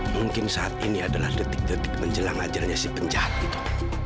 mungkin saat ini adalah detik detik menjelang ajarnya si penjahat gitu